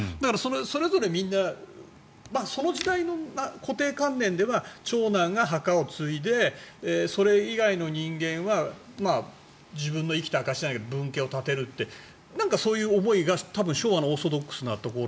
それぞれみんなその時代の固定観念では長男が墓を継いでそれ以外の人間は自分の生きた証しじゃないけど分家を建てるというそういう思いが多分昭和のオーソドックスなところ。